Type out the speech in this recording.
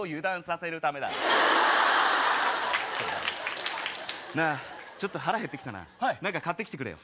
そうだろ？なぁちょっと腹へって来たな何か買って来てくれよ。